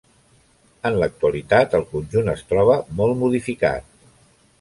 En l'actualitat el conjunt es troba molt modificat.